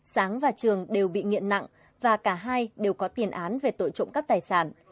sáng và trường đều bị nghiện nặng và cả hai đều có tiền án về tội trộm cắp tài sản